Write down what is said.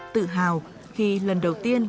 tự hào khi lần đầu tiên